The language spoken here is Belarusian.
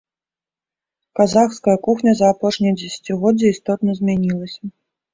Казахская кухня за апошнія дзесяцігоддзі істотна змянілася.